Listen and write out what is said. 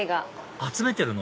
集めてるの？